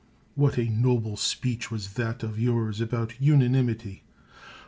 What a noble speech was that of yours about una nimity!